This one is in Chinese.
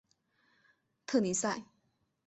特尼塞。